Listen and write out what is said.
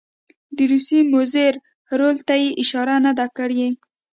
د روسیې مضر رول ته یې اشاره نه ده کړې.